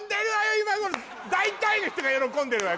今頃大体の人が喜んでるわよ